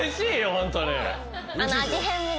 ホントに。